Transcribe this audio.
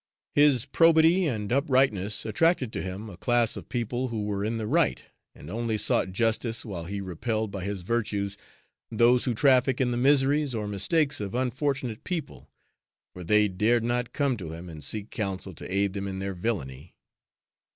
His probity and uprightness attracted to him a class of people who were in the right and only sought justice, while he repelled, by his virtues, those who traffic in the miseries or mistakes of unfortunate people, for they dared not come to him and seek counsel to aid them in their villainy.